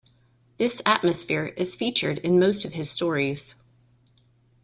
This atmosphere is featured in most of his stories.